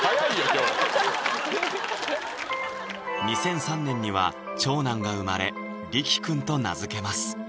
今日２００３年には長男が生まれ力くんと名付けます